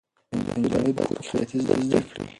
دا نجلۍ باید په کور کې خیاطي زده کړي.